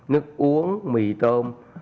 nước uống mì tôm